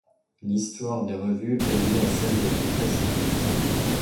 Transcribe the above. L'histoire des revues est liée à celle de la presse écrite.